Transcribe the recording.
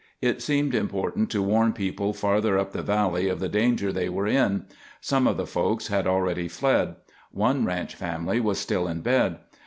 It seemed important to warn people farther up the valley of the danger they were in. Some of the folks had already fled. One ranch family was still in bed.